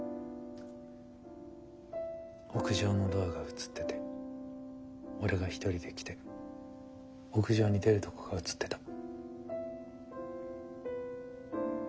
屋上のドアが映ってて俺が一人で来て屋上に出るとこが映ってた。